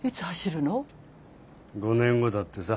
５年後だってさ。